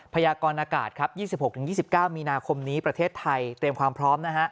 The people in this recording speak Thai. พยากรอากาศครับ๒๖๒๙มีนาคมนี้ประเทศไทยเตรียมความพร้อมนะฮะ